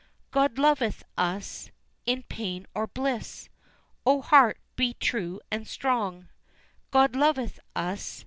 God loveth us! in pain or bliss, O heart be true and strong, God loveth us!